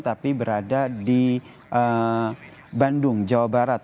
tapi berada di bandung jawa barat